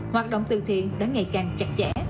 hoạt động từ thiện đã ngày càng chặt chẽ